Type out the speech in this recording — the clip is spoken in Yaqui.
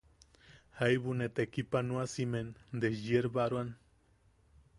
Jaibu ne tekipanoasimen desyerbaroan.